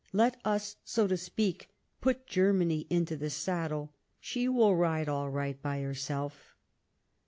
Let us, so to speak, put Germany into the saddle ; she will ride all right by herself."